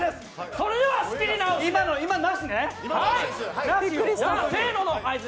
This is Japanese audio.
それでは仕切り直しで。